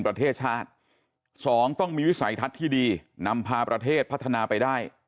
ประเทศชาติสองต้องมีวิสัยทัศน์ที่ดีนำพาประเทศพัฒนาไปได้